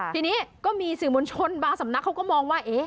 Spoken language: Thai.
ทีนี้ก็มีสื่อมวลชนบางสำนักเขาก็มองว่า